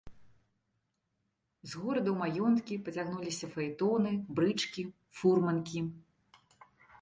З горада ў маёнткі пацягнуліся фаэтоны, брычкі, фурманкі.